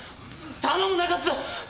頼む中津！